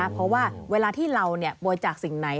เพราะว่าเวลาที่เราบริจาคสิ่งไหน